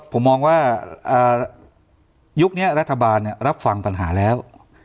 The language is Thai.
ผมมองว่ายุคนี้รัฐบาลรับฟังปัญหาแล้ว